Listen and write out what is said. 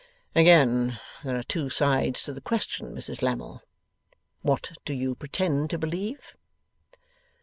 'Again there are two sides to the question, Mrs Lammle. What do you pretend to believe?